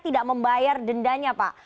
tidak membayar dendanya pak